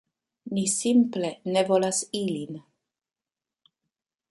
Ni simple ne volas ilin.